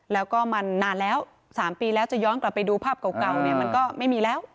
แล้วก็มันนานแล้ว๓ปีแล้วจะย้อนกลับไปดูภาพเก่าเนี่ยมันก็ไม่มีแล้ว